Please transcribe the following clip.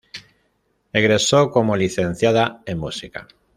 Egresó como licenciada en música.